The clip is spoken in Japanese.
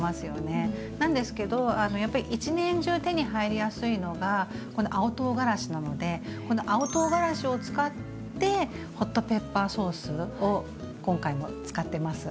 なんですけどやっぱり一年中手に入りやすいのがこの青とうがらしなのでこの青とうがらしを使ってホットペッパーソースを今回も使ってます。